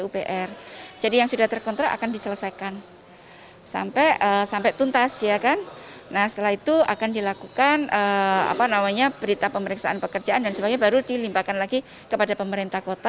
berita pemeriksaan pekerjaan dan sebagainya baru dilimpahkan lagi kepada pemerintah kota